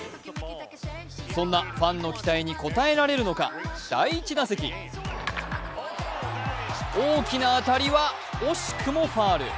そんなファンの期待に応えられるのか、第１打席、大きな当たりは惜しくもファウル。